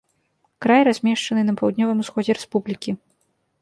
Край размешчаны на паўднёвым усходзе рэспублікі.